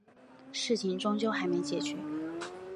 事情终究还没解决